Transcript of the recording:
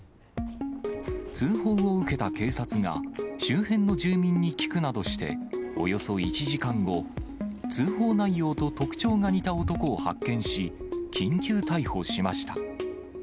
通報を受けた警察が、周辺の住民に聞くなどして、およそ１時間後、通報内容と特徴が似た男を発見し、緊急逮捕しました。